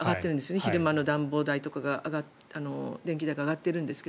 昼間の暖房代とかあって値段が上がっているんですが